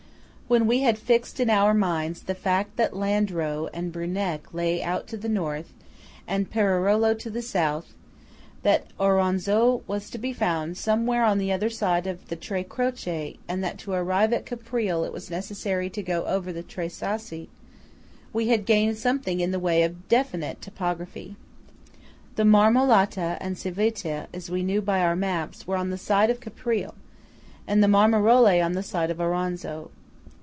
When we had fixed in our minds the fact that Landro and Bruneck lay out to the North, and Perarolo to the South; that Auronzo was to be found somewhere on the other side of the Tre Croce and that to arrive at Caprile it was necessary to go over the Tre Sassi, we had gained something in the way of definite topography. The Marmolata and Civita, as we knew by our maps, were on the side of Caprile; and the Marmarole on the side of Auronzo.